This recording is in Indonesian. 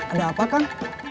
ada apa kan